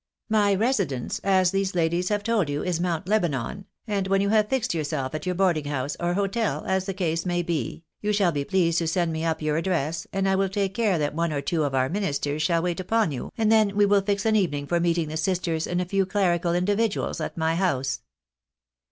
My residence, as these ladies have told you, is Mount Lebanon, and when you have fixed your self at your boarding house, or hotel, as the case may be, you shall be pleased to send me up your address, and I wiU take care that one oe two of our ministers shall wait upon you, and then we will fix an evening for meeting the sisters and a few clerical individuals at my house."